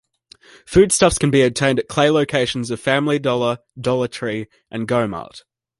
Foodstuffs can be obtained at Clay locations of Family Dollar, Dollar Tree, and Go-Mart.